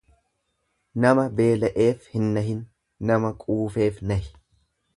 Nama beela'eef hin nahin, nama quufeef nahi.